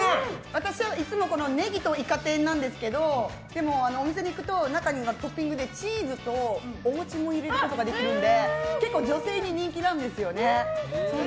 私はいつもネギとイカ天なんですけどでもお店に行くと、中にはトッピングでチーズとおもちも入れることができるので女性に人気なんですよね。